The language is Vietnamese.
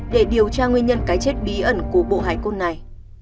để điều tra nguyên nhân cái chết bí ẩn của bộ hải cốt này